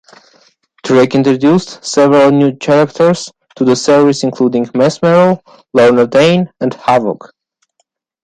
Drake introduced several new characters to the series including Mesmero, Lorna Dane, and Havok.